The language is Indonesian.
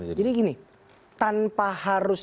jadi gini tanpa harus